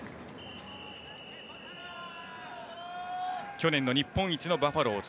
去年、日本一のバファローズ。